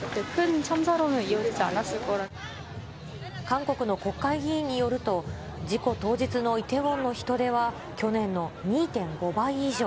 韓国の国会議員によると、事故当日のイテウォンの人出は、去年の２．５倍以上。